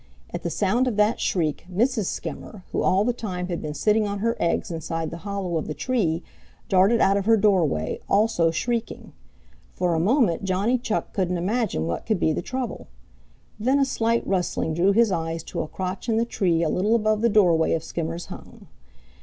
At the sound of that shriek Mrs. Skimmer, who all the time had been sitting on her eggs inside the hollow of the tree, darted out of her doorway, also shrieking. For a moment Johnny Chuck couldn't imagine what could be the trouble. Then a slight rustling drew his eyes to a crotch in the tree a little above the doorway of Skimmer's home.